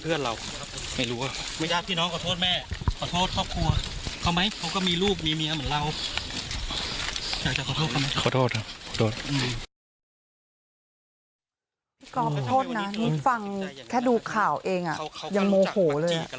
ก๊อฟขอโทษนะนี่ฟังแค่ดูข่าวเองยังโมโหเลย